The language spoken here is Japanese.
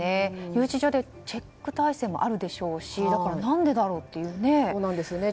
留置場でチェック体制もあるでしょうしだから何でだろうっていうね。